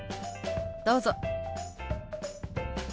どうぞ。